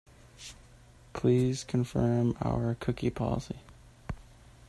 Please confirm our cookie policy.